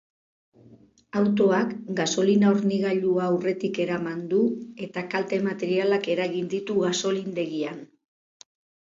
Autoak gasolina-hornigailua aurretik eraman du eta kalte materialak eragin ditu gasolindegian.